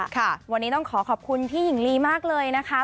ค่ะวันนี้ต้องขอขอบคุณพี่หญิงลีมากเลยนะคะ